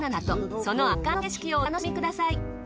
その圧巻の景色をお楽しみください。